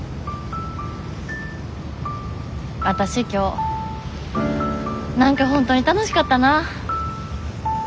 わたし今日何か本当に楽しかったな！